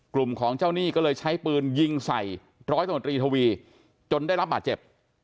กลุ่มของเจ้าหนี้ก็เลยใช้ปืนยิงใส่ร้อยตำรวจรีทวีจนได้รับบาดเจ็บ